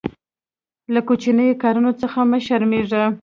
له کوچنیو کارونو څخه مه شرمېږه.